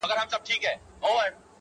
حقيقت د دود للاندي پټيږي تل،